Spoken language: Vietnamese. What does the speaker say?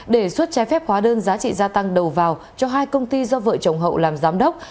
để xuất trái phép hóa đơn giá trị gia tăng đầu vào cho hai công ty do vợ chồng hậu làm giám đốc